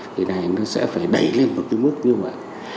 thì này nó sẽ phải đẩy lên một cái mức như vậy